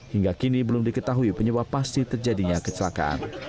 hingga kini belum diketahui penyebab pasti terjadinya kecelakaan